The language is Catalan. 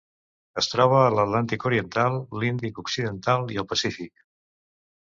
Es troba a l'Atlàntic oriental, l'Índic occidental i el Pacífic.